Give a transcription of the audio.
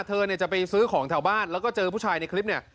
เธอเนี่ยจะไปซื้อของแถวบ้านแล้วก็เจอผู้ชายในคลิปเนี่ย